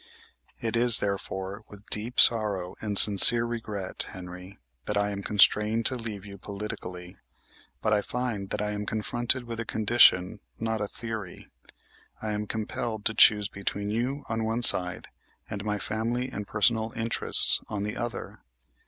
It is, therefore, with deep sorrow and sincere regret, Henry, that I am constrained to leave you politically, but I find that I am confronted with a condition, not a theory. I am compelled to choose between you, on one side, and my family and personal interests, on the other.